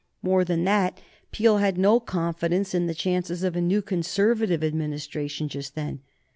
More than that, Peel had no confidence in the chances of a new Conservative Administration just then.